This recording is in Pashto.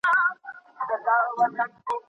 ازاد فکر خطر ګڼل کيده.